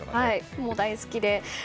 もう大好きで。